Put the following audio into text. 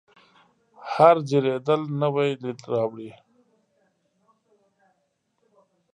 هره څیرېدل نوی لید راوړي.